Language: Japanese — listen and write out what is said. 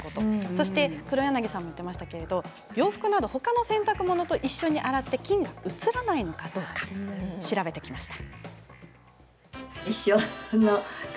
そして畔柳さんも言っていましたけれども洋服など他の洗濯物と一緒に洗って菌が移らないのかどうか調べてきました。